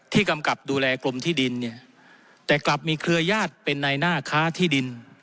กำกับดูแลกรมที่ดินเนี่ยแต่กลับมีเครือญาติเป็นในหน้าค้าที่ดิน